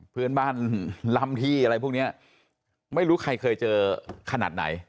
เพื่อนบ้านลำที่อะไรพวกนี้ไม่รู้ใครเคยเจอขนาดไหน